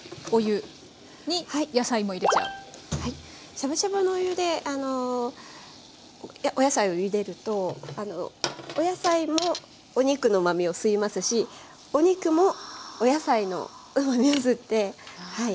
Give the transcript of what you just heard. しゃぶしゃぶのお湯でお野菜をゆでるとお野菜もお肉のうまみを吸いますしお肉もお野菜のうまみを吸ってはい。